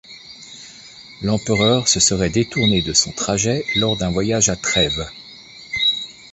L'empereur se serait détourné de son trajet lors d'un voyage à Trêves.